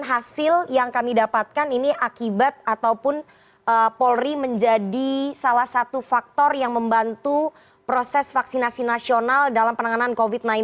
dan hasil yang kami dapatkan ini akibat ataupun polri menjadi salah satu faktor yang membantu proses vaksinasi nasional dalam penanganan covid sembilan belas